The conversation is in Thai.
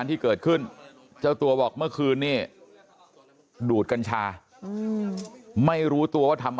ที่เกิดขึ้นเจ้าตัวบอกเมื่อคืนนี้ดูดกัญชาไม่รู้ตัวว่าทำ